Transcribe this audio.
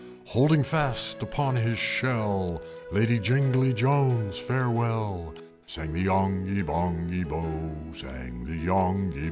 Holding fast upon his shell, "Lady Jingly Jones, farewell!" Sang the Yonghy Bonghy Bò, Sang the Yonghy Bonghy Bò. X.